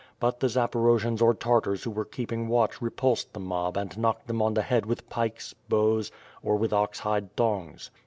But the Zaporojians or Tartars who were keeping watch repulsed the mob and knocked them on the head with pikes, bows, or with ox hide thongs.